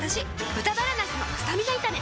「豚バラなすのスタミナ炒め」